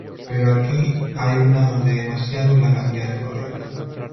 Pero aquí hay una dónde demasiado es la cantidad correcta.